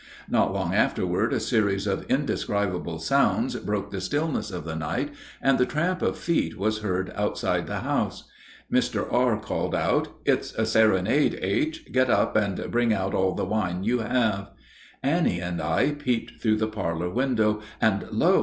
Not long afterward a series of indescribable sounds broke the stillness of the night, and the tramp of feet was heard outside the house. Mr. R. called out, "It's a serenade, H. Get up and bring out all the wine you have." Annie and I peeped through the parlor window, and lo!